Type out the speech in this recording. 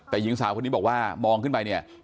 แต่หญิงสาวคนนี้บอกว่ามองขึ้นไปเนี่ย